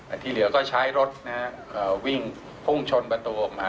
ที่เหลือก็ใช้รถนะฮะวิ่งพุ่งชนประตูออกมา